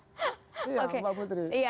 iya mbak putri